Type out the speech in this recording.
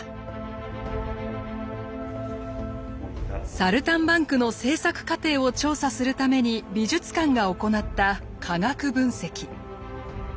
「サルタンバンク」の制作過程を調査するために美術館が行った科学分析。